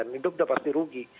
hidup sudah pasti rugi